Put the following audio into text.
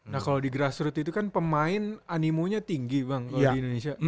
nah kalau di grassroot itu kan pemain animonya tinggi bang kalau di indonesia